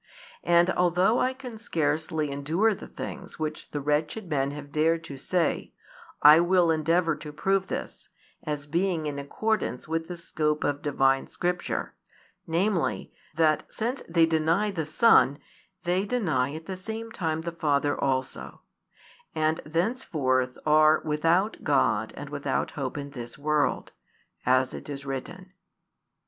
And although I can scarcely endure the things which the wretched men have dared to say, I will endeavour to prove this, as being in accordance with the scope of Divine Scripture, namely, that since they deny the Son they deny at the same time the Father also, and thenceforth are without God and without hope in this world, as it is written.